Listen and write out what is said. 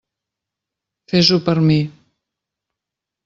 Fes-ho per mi.